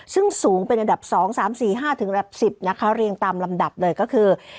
ซึ่งสูงเป็นอันดับ๒๓๔๕ถึงระดับ๑๐นะคะเรียงตามลำดับเลยก็คือ